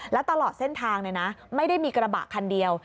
แล้วตลอดเส้นทางไม่ได้มีกระบะคันเดียว